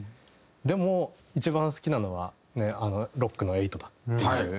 でも「一番好きなのはロックの８だ」っていうのが。